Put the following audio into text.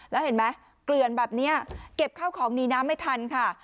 แล้วเห็นไหมเกลือนแบบนี้เก็บข้าวของหนีน้ำไม่ทันค่ะ